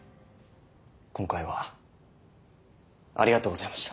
今回はありがとうございました。